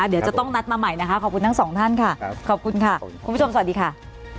เดี๋ยวจะต้องนัดมาใหม่นะคะขอบคุณทั้งสองท่านค่ะขอบคุณค่ะคุณผู้ชมสวัสดีค่ะ